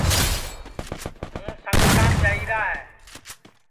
ہُوں سنگتام جائیرا ہے